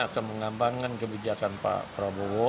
akan mengambangkan kebijakan pak prabowo